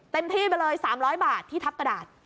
เต็มที่ไปเลย๓๐๐บาทที่ทัพกระดาษ